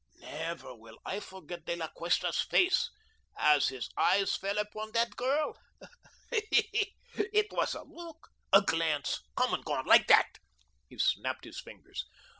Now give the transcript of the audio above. Never will I forget De La Cuesta's face as his eyes fell upon the girl. It was a look, a glance, come and gone like THAT," he snapped his fingers.